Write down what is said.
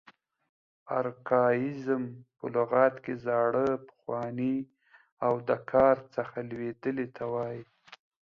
ارکاییزم په لغت کښي زاړه، پخواني او د کاره څخه لوېدلي ته وایي.